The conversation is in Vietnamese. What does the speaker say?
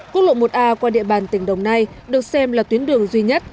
quốc lộ một a qua địa bàn tỉnh đồng nai được xem là tuyến đường duy nhất